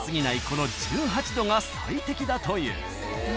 この１８℃が最適だという］